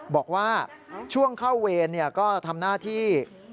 บอกว่าช่วงเข้าเวรก็ทำหน้าที่